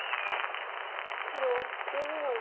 白１２の四。